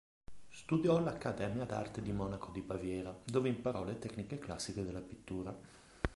Studiò all'accademia d'arte di Monaco di Baviera, dove imparò le tecniche classiche della pittura.